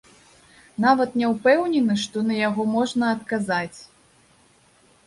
Нават не ўпэўнены, што на яго можна адказаць.